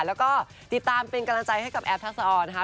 แล้วก็ติดตามเป็นกำลังใจให้กับแอฟทักษะออนนะคะ